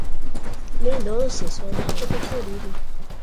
"Mendonça! Sua marca preferida.